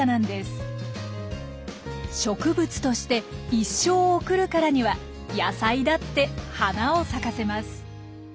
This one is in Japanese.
植物として一生を送るからには野菜だって花を咲かせます。